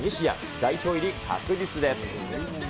代表入り確実です。